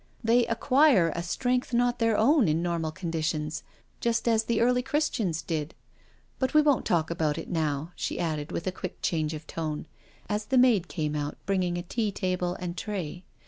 They ac quire a strength not their own in normal conditions, just as the early Christians did. But we won't talk about it now," she added, with a quick change of tone, as the maid came out bringing a tea table and tray.